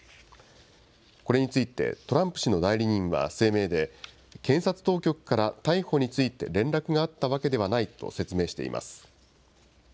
これについて、トランプ氏の代理人は声明で、検察当局から逮捕について連絡があったわけではないと説明しています。